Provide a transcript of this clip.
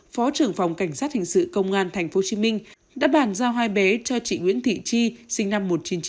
phó trưởng phòng cảnh sát hình sự công an tp hcm đã bàn giao hai bé cho chị nguyễn thị chi sinh năm một nghìn chín trăm chín mươi